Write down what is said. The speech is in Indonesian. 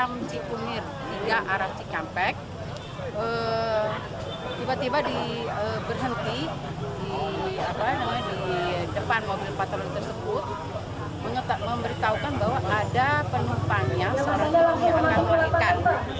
memberitahukan bahwa ada penumpangnya seorang ibu yang akan melahirkan